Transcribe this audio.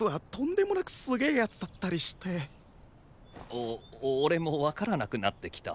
お俺も分からなくなってきた。